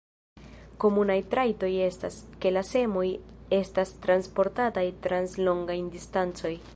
Komunaj trajtoj estas, ke la semoj estas transportataj trans longaj distancoj.